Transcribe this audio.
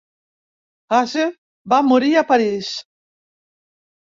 Hase va morir a París.